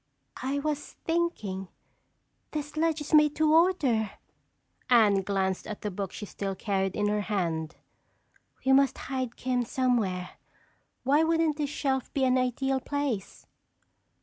"I was thinking—this ledge is made to order!" Anne glanced at the book she still carried in her hand. "We must hide 'Kim' somewhere. Why wouldn't this shelf be an ideal place?"